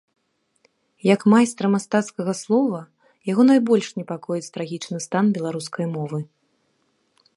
Як майстра мастацкага слова, яго найбольш непакоіць трагічны стан беларускай мовы.